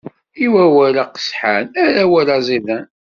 I wawal aqesḥan, err awal aẓidan!